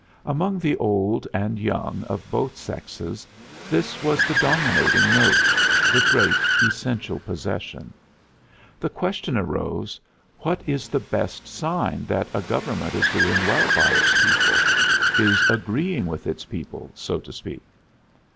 Among the old and young of both sexes this was the dominating note, the great essential possession. The question arose: What is the best sign that a government is doing well by its people is agreeing with its people, so to speak?